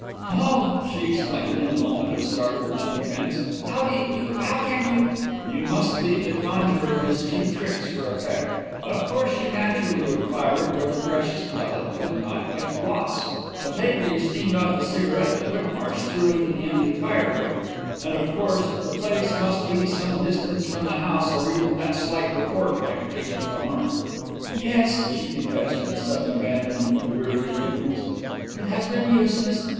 "Oh!" she exclaimed, in the moment of startled undefence, "how do you how can you " "You must leave the conjurer his few tricks for effect. Of course you naturally would fire it where the precious pellet could not get lost the paper you steamed off the cigarette that Whitmarsh threw into the empty fire grate; and of course the place must be some distance from the house or even that slight report might occasion remark." "Yes," she confessed, in a sudden abandonment to weary indifference, "it has been useless.